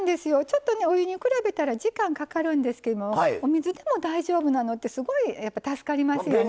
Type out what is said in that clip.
ちょっとねお湯に比べたら時間かかるんですけどもお水でも大丈夫なのってすごいやっぱ助かりますよね。